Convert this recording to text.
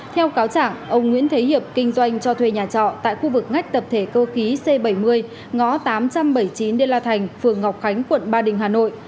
theo cáo chẳng ông nguyễn thế hiệp kinh doanh cho thuê nhà trọ tại khu vực ngách tập thể cơ khí c bảy mươi ngõ tám trăm bảy mươi chín đê la thành phường ngọc khánh quận ba đình hà nội